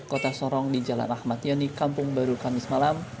kota sorong di jalan ahmad yani kampung baru kamis malam